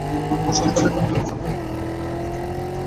বসন্ত রায় তাঁহার হাত চাপিয়া ধরিয়া কহিলেন, কেমন যাইবি যা দেখি।